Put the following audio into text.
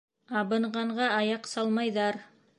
Абынғанға аяҡ салмайҙар.